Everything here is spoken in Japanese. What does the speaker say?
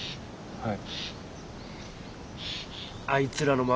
はい。